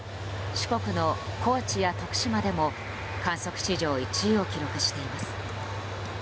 四国の高知や徳島でも観測史上１位を記録しています。